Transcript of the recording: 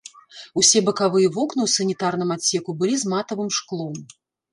Усе бакавыя вокны ў санітарным адсеку былі з матавым шклом.